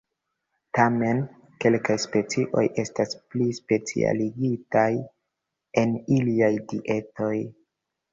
Tamen, kelkaj specioj estas pli specialigitaj en iliaj dietoj.